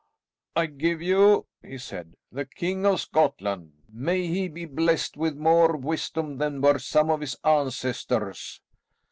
"I give you," he said, "the King of Scotland. May he be blest with more wisdom than were some of his ancestors!"